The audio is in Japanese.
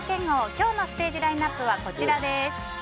今日のステージラインアップはこちらです。